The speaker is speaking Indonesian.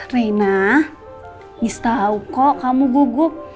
reina miss tau kok kamu gugup